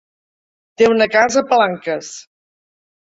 Té una casa a Palanques.